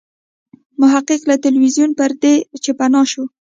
محقق له ټلویزیون پردې چې پناه شو.